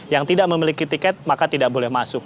yang tidak memiliki tiket maka tidak boleh masuk